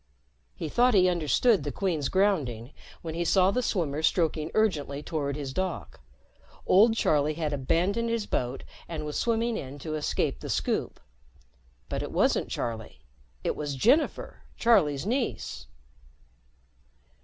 He thought he understood the Queen's grounding when he saw the swimmer stroking urgently toward his dock. Old Charlie had abandoned his boat and was swimming in to escape the Scoop. But it wasn't Charlie. It was Jennifer, Charlie's niece.